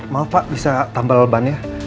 maaf pak bisa tambal ban ya